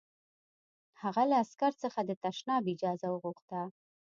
هغه له عسکر څخه د تشناب اجازه وغوښته